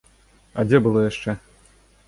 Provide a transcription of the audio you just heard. А дзе было яшчэ?